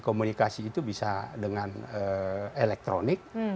komunikasi itu bisa dengan elektronik